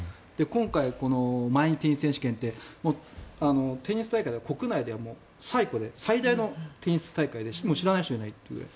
今回、毎日テニス選手権ってテニス大会では国内で最古で最大のテニス大会で知らない人はいないぐらい。